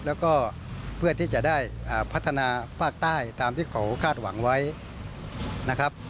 แล้วก็เพื่อที่จะได้พัฒนาภาคใต้ตามที่เขาคาดหวังไว้นะครับ